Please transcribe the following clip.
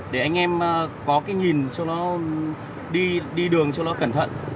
để anh em có cái nhìn cho nó đi đường cho nó cẩn thận